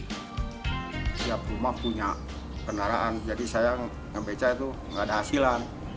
setiap rumah punya kendaraan jadi saya yang beca itu nggak ada hasilan